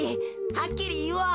はっきりいおう。